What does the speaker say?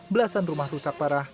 belasan rumah rusak parah